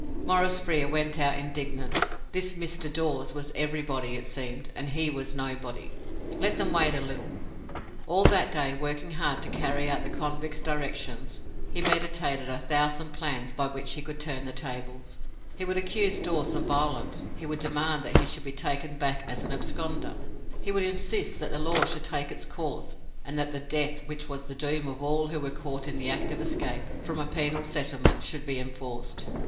Maurice Frere went out indignant. This "Mr." Dawes was everybody, it seemed, and he was nobody. Let them wait a little. All that day, working hard to carry out the convict's directions, he meditated a thousand plans by which he could turn the tables. He would accuse Dawes of violence. He would demand that he should be taken back as an "absconder". He would insist that the law should take its course, and that the "death" which was the doom of all who were caught in the act of escape from a penal settlement should be enforced.